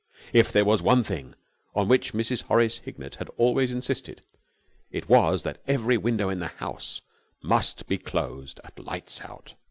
If there was one thing on which Mrs. Horace Hignett had always insisted it was that every window in the house must be closed at lights out.